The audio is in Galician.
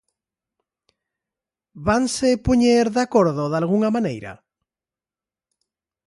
¿Vanse poñer de acordo dalgunha maneira?